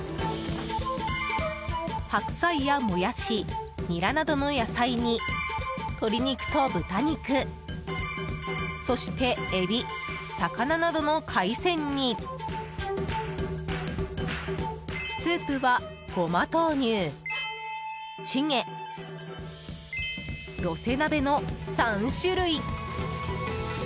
白菜やモヤシ、ニラなどの野菜に鶏肉と豚肉そしてエビ、魚などの海鮮にスープは胡麻豆乳、チゲ寄せ鍋の３種類。